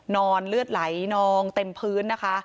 เลือดไหลนองเต็มพื้นนะคะ